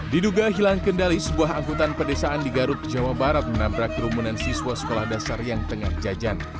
diduga hilang kendali sebuah angkutan pedesaan di garut jawa barat menabrak kerumunan siswa sekolah dasar yang tengah jajan